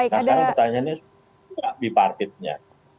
nah sekarang pertanyaannya sudah dipartipnya